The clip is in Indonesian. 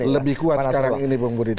lebih kuat sekarang ini bapak mbak didika